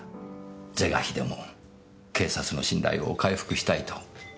是が非でも警察の信頼を回復したいと。